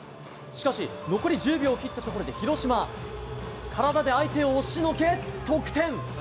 しかし残り１０秒切ったところで広島、体で相手を押しのけ得点。